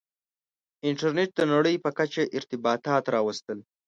• انټرنېټ د نړۍ په کچه ارتباطات راوستل.